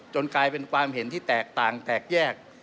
กลายเป็นความเห็นที่แตกต่างแตกแยก